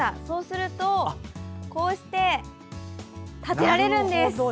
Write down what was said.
そうするとこうして立てられるんです。